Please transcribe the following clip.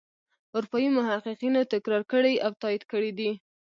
اروپايي محققینو تکرار کړي او تایید کړي دي.